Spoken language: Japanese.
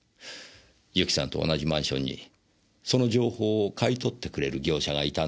由紀さんと同じマンションにその情報を買い取ってくれる業者がいたんですね？